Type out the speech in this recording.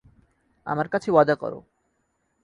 আমার কাছে ওয়াদা করো।